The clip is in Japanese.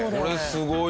すごい。